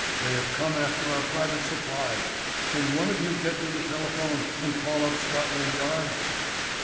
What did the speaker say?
"They have come after our private supply. Can't one of you get to the telephone and call up Scotland Yard?"